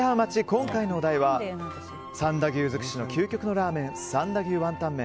今回のお題は三田牛尽くしの究極のラーメン三田牛ワンタン麺